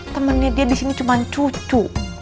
temennya dia disini cuma cucu